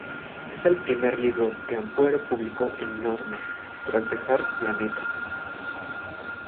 Es el primer libro que Ampuero publicó en Norma, tras dejar Planeta.